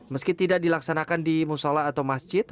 meski tidak dilaksanakan di musola atau masjid